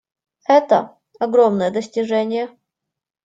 Это — огромное достижение.